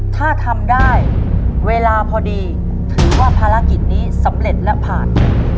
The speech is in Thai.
ถ้าทำได้เวลาพอดีถือว่าภารกิจนี้สำเร็จและผ่าน